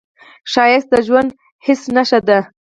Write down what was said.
ښایست د ژوندي حس نښه ده